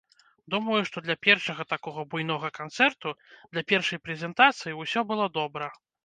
Думаю, што для першага такога буйнога канцэрту, для першай прэзентацыі, усё было добра.